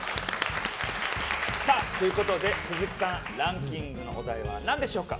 鈴木さん、ランキングのお題は何でしょうか？